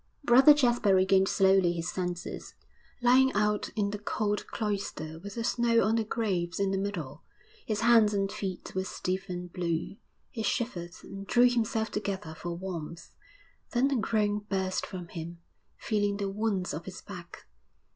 Brother Jasper regained slowly his senses, lying out in the cold cloister with the snow on the graves in the middle; his hands and feet were stiff and blue. He shivered and drew himself together for warmth, then a groan burst from him, feeling the wounds of his back.